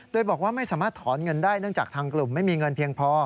โดยบอกว่าไม่สามารถถอนเงินได้เนื่องจากทางกลุ่มไม่มีเงินเพียงพอ